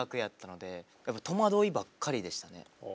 やっぱ戸惑いばっかりでしたね。